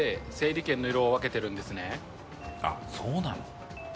あっそうなの？